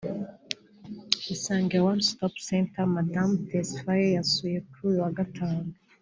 Isange One Stop Center Madamu Tesfaye yasuye kuri uyu wa Gatanu